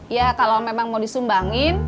ya kalau memang mau disumbangin